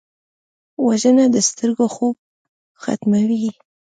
وژنه د سترګو خوب ختموي